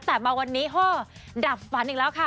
แต่มาวันนี้เฮ่อดับฝันอีกแล้วค่ะ